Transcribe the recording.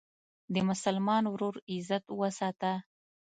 د مسلمان ورور عزت وساته.